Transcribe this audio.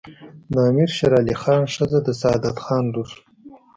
د امیر شیرعلي خان ښځه د سعادت خان لور